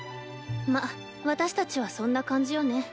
まっ私たちはそんな感じよね。